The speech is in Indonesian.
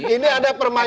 ini ada permainan